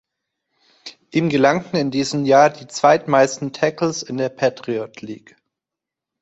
Ihm gelangen in diesem Jahr die zweitmeisten Tackles in der Patriot League.